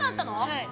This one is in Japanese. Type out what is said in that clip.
はい。